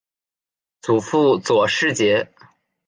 祖父左世杰。